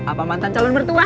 apa mantan calon mertua